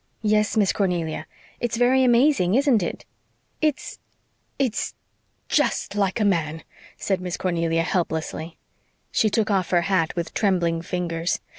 "Yes, Miss Cornelia. It is very amazing, isn't it?" "It's it's just like a man," said Miss Cornelia helplessly. She took off her hat with trembling fingers.